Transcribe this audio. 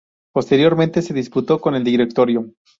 Posteriormente se disculpó con el Directorio.